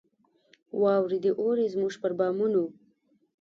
واوري دي اوري زموږ پر بامونو